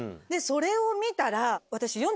それを見たら私。